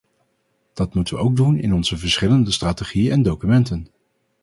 Dat moeten we ook doen in onze verschillende strategieën en documenten.